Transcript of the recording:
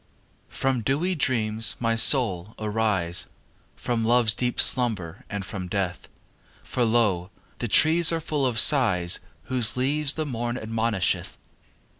XV From dewy dreams, my soul, arise, From love's deep slumber and from death, For lo! the treees are full of sighs Whose leaves the morn admonisheth.